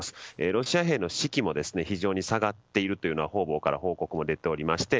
ロシア兵の士気も非常に下がっているというのは方々から報告も出ていまして